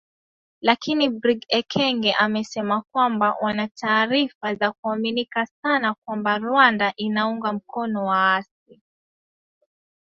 Lakini Brig Ekenge amesema kwamba wana taarifa za kuaminika sana kwamba Rwanda inaunga mkono waasi.